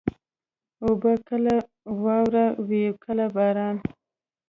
اوبه کله واوره وي، کله باران.